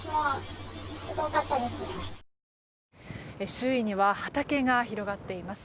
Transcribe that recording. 周囲には畑が広がっています。